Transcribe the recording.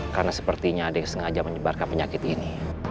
karena sepertinya ada yang sengaja menyebarkan penyakit ini